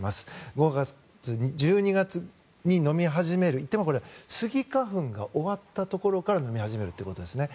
５月から１２月に飲み始めるスギ花粉が終わったところから飲み始めるということですね。